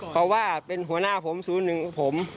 เพราะว่าเป็นหัวหน้าศูนย์หนึ่งผม